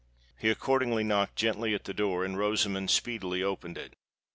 He accordingly knocked gently at the door, and Rosamond speedily opened it.